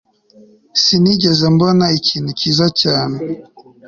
Sinigeze mbona ikintu cyiza cyane